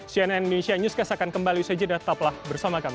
cnn indonesia newscast akan kembali saja dan tetaplah bersama kami